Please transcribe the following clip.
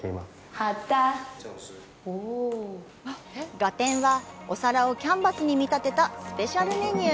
画展は、お皿をキャンバスに見立てたスペシャルメニュー。